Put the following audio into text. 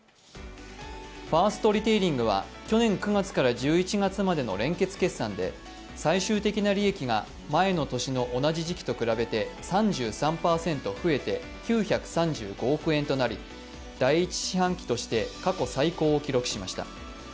ファーストリテイリングは去年９月から１１月までの連結決算で最終的な利益が前の年の同じ時期と比べて３３％増えて９３５億円となり第１四半期として過去最高を記録しました。